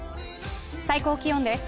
最高気温です。